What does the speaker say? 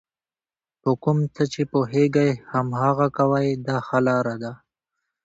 په کوم څه چې پوهېږئ هماغه کوئ دا ښه لار ده.